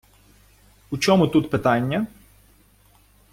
У чому тут питання?